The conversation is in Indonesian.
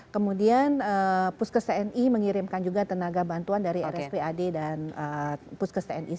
kemudian puskes tni mengirimkan juga tenaga bantuan dari rspad dan puskes tni